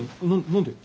何で？